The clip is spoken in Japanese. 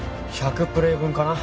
１００プレイ分かな